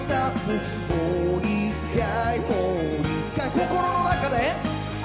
心の中で！